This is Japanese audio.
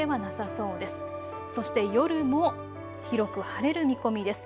そして夜も広く晴れる見込みです。